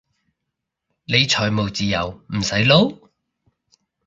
你財務自由唔使撈？